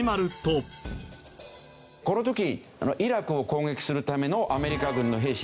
この時イラクを攻撃するためのアメリカ軍の兵士